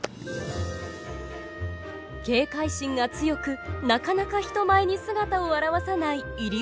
警戒心が強くなかなか人前に姿を現さないイリオモテヤマネコ。